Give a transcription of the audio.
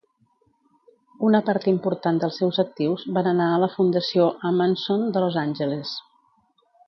Una part important dels seus actius van anar a la Fundació Ahmanson de Los Angeles.